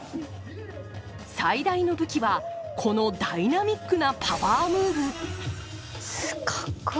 最大の武器はこのダイナミックなかっこいい。